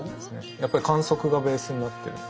やっぱり観測がベースになってるので。